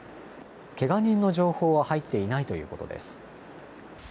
けが人の情報は入っていないということです。